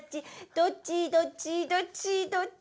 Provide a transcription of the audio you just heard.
「どっちどっちどっちどっち」